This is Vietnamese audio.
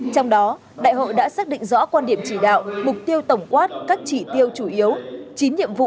trong đó đại hội đã xác định rõ quan điểm chỉ đạo mục tiêu tổng quát các chỉ tiêu chủ yếu